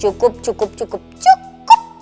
cukup cukup cukup cukup